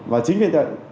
và chính hiện tại